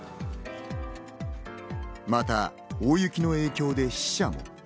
また、大雪の影響で死者も。